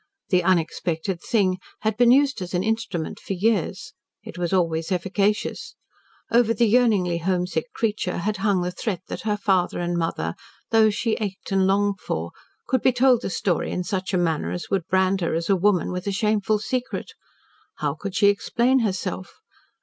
"The unexpected thing" had been used as an instrument for years. It was always efficacious. Over the yearningly homesick creature had hung the threat that her father and mother, those she ached and longed for, could be told the story in such a manner as would brand her as a woman with a shameful secret. How could she explain herself?